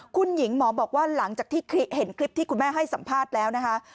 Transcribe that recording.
คุณหญิงหมอบอกว่าหลังจากที่เห็นคลิปที่คุณแม่ให้สัมภาษณ์แล้วนะคะ